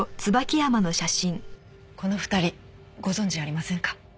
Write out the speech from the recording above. この２人ご存じありませんか？